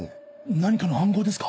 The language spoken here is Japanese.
何かの暗号ですか？